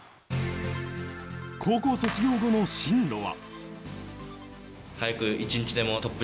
高校卒業後の進路は。